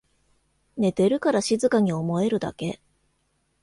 寝てるから静かに思えるだけ